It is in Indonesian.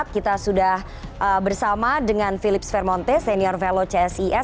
kita sudah bersama dengan philips vermonte senior velo csis